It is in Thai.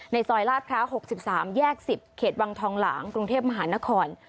ซอยลาดพร้าว๖๓แยก๑๐เขตวังทองหลางกรุงเทพมหานคร